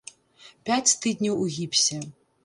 Пяць тыдняў у гіпсе!!!